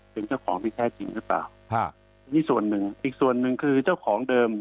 ถึงเจ้าของพี่แค่จริงหรือเปล่าอีกส่วนหนึ่งคือเจ้าของเดิม